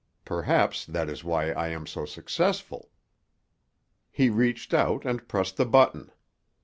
Perhaps that is why I am so successful." He reached out and pressed the button.